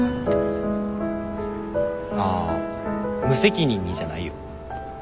あ無責任にじゃないよ。